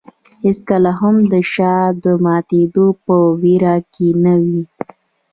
هېڅکله هم د شاخ د ماتېدو په ویره کې نه وي.